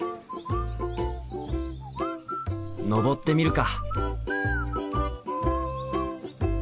登ってみるか！